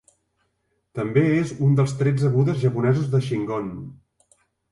També és un dels tretze budes japonesos de Shingon.